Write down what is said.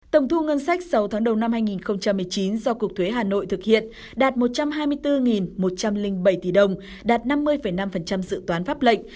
tổng thu ngân sách sáu tháng đầu năm hai nghìn một mươi chín do cục thuế hà nội thực hiện đạt một trăm hai mươi bốn một trăm linh bảy tỷ đồng đạt năm mươi năm dự toán pháp lệnh